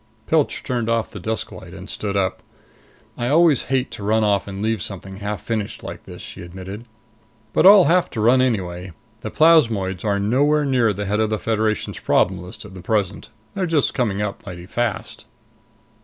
Pilch turned off the desk light and stood up. "I always hate to run off and leave something half finished like this," she admitted, "but I'll have to run anyway. The plasmoids are nowhere near the head of the Federation's problem list at present. They're just coming up mighty fast."